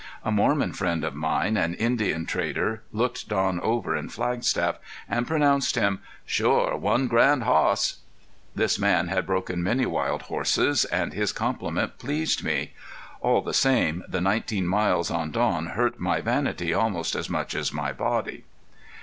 A Mormon friend of mine, an Indian trader, looked Don over in Flagstaff, and pronounced him: "Shore one grand hoss!" This man had broken many wild horses, and his compliment pleased me. All the same the nineteen miles on Don hurt my vanity almost as much as my body.